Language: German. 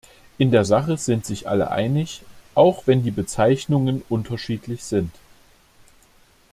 In der Sache sind sich alle einig, auch wenn die Bezeichnungen unterschiedlich sind.